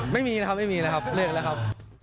ไม่มีนะครับเลือกแล้วครับ